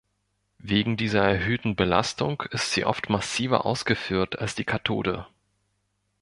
Wegen dieser erhöhten Belastung ist sie oft massiver ausgeführt als die Kathode.